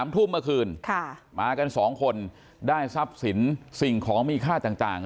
ทุ่มเมื่อคืนมากัน๒คนได้ทรัพย์สินสิ่งของมีค่าต่าง